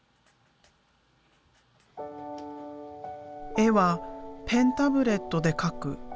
絵はペンタブレットで描く。